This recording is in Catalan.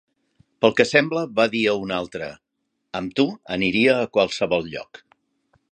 Pel que sembla, va dir a un altre: "Amb tu, aniria a qualsevol lloc".